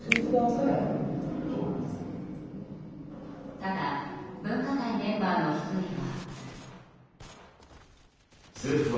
ただ分科会メンバーの１人は。